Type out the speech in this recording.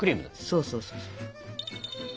そうそうそうそう。